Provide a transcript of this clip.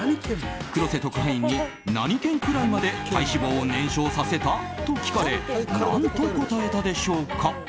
黒瀬特派員に何県くらいまで体脂肪を燃焼させた？と聞かれ何と答えたでしょうか。